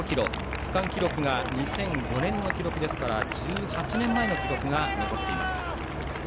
区間記録が２００５年の記録なので１８年前の記録が残っています。